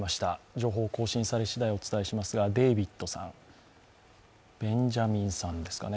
情報を更新されしだいお伝えしますが、デイビッドさん、ベンジャミンさんですかね。